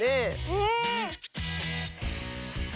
うん。